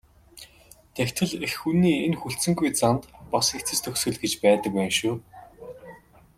Тэгтэл эх хүний энэ хүлцэнгүй занд бас эцэс төгсгөл гэж байдаг байна шүү.